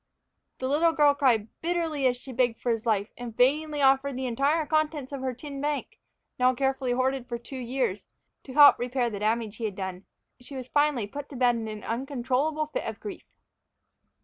The little girl cried bitterly as she begged for his life, and vainly offered the entire contents of her tin bank, now carefully hoarded for two years, to help repair the damage he had done. She was finally put to bed in an uncontrollable fit of grief.